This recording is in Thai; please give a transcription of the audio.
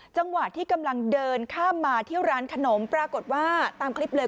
จังหวะที่กำลังเดินข้ามมาที่ร้านขนมปรากฏว่าตามคลิปเลย